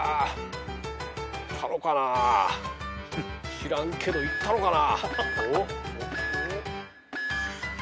知らんけどいったろうかな。